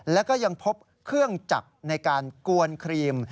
แล้วก็ยังพบเครื่องจักรในการกวนครีม